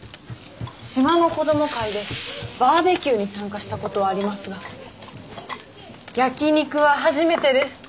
島の子ども会でバーベキューに参加したことはありますが焼き肉は初めてです。